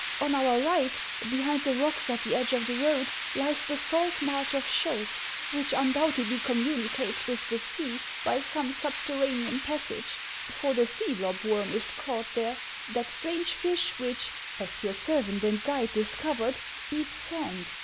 On our right, behind the rocks at the edge of the road, lies the salt marsh of Sciold, which undoubtedly communi cates with the sea by some subterranean passage ; for the sea lobworm is caught there, that strange fish, which, as your servant and guide discovered, eats sand.